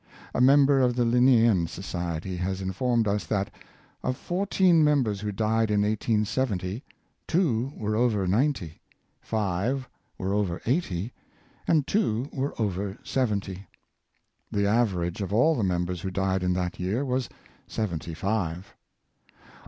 A member of the Linnsean Society has informed us that, of four teen members who died in 1870, two were over ninety, five were over eighty, and two were over seventy. The average of all the members who died in that year was seventy five.